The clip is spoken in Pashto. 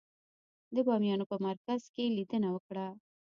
د بامیانو په مرکز کې لیدنه وکړه.